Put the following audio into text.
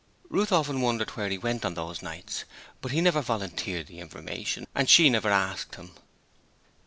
Ruth often wondered where he went on those nights, but he never volunteered the information and she never asked him.